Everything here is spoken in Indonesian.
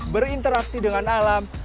berinteraksi dengan alam